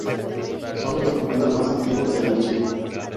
Son los documentos más antiguos del archivo.